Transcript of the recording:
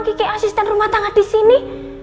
kakek asisten rumah tangga di sini